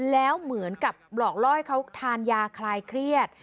แล้วเหมือนกับหลอกล่อให้เขาทานยาคลายเครียด